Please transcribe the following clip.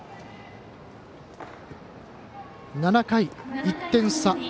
７回、１点差。